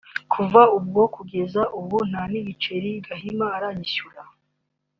Kuva ubwo kugeza ubu nta nigiceri Gahima arishyura